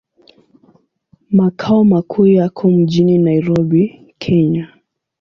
Makao makuu yako mjini Nairobi, Kenya.